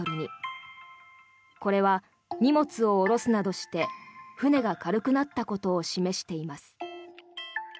これは荷物を下ろすなどして船が軽くなったことを示しています。